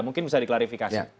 mungkin bisa diklarifikasi